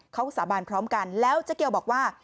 เขาสาบานพร้อมกันแล้วเจ๊เกียวบอกว่า